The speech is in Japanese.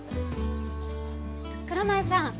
蔵前さん